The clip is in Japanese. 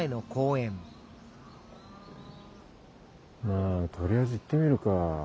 まあとりあえず行ってみるか。